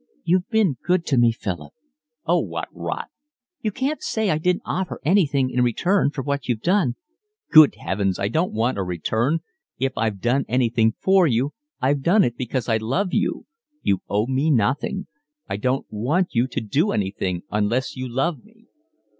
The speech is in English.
"You've been good to me, Philip." "Oh, what rot!" "You can't say I didn't offer anything in return for what you've done." "Good heavens, I don't want a return. If I've done anything for you, I've done it because I love you. You owe me nothing. I don't want you to do anything unless you love me."